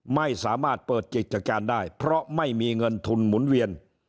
ไม่สามารถเปิดกิจการได้เพราะไม่มีเงินทุนหมุนเวียน